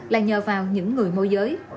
là nhờ vào những người mô giới